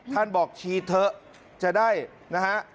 ท่านบอกชี้เถอะจะได้นะฮะ